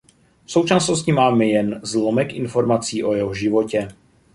V současnosti máme jen zlomek informací o jeho životě.